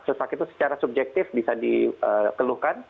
sesak itu secara subjektif bisa dikeluhkan